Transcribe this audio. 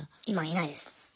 今いないですね。